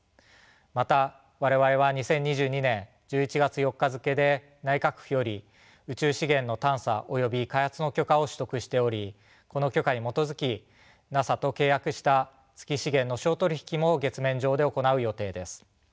また我々は２０２２年１１月４日づけで内閣府より宇宙資源の探査及び開発の許可を取得しておりこの許可に基づきＮＡＳＡと契約した月資源の商取引も月面上で行う予定です。